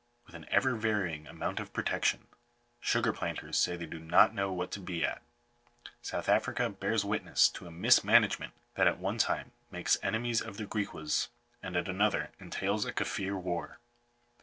With an ever varying amount of protec tion, sug&r planters say they do not know what to be at. South Africa bears witness to a mismanagement that at one time makes enemies of the Griquas, and at another entails a Kaffir war.